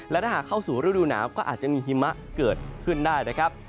และถ้าหากเข้าสู่ฤดูหนาวก็อาจจะมีหิมะเกิดขึ้นได้นะครับ